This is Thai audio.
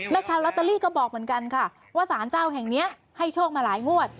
แม่ค้าลอตเตอรี่ก็บอกเหมือนกันค่ะว่าสารเจ้าแห่งนี้ให้โชคมาหลายงวด